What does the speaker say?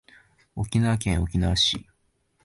沖縄県沖縄市